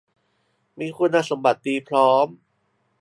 มีคุณสมบัติดีพร้อม